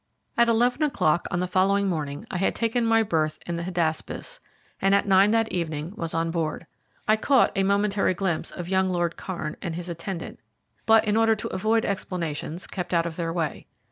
At eleven o'clock on the following morning I had taken my berth in the Hydaspes, and at nine that evening was on board. I caught a momentary glimpse of young Lord Kairn and his attendant, but in order to avoid explanations kept out of their way.